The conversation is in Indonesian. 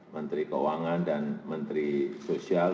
menteri keuangan dan menteri sosial